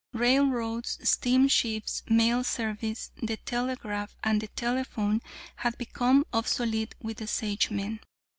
Railroads, steamships, mail service, the telegraph and telephone had become obsolete with the Sagemen.